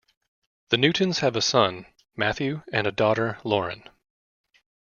The Newtons have a son, Matthew, and a daughter, Lauren.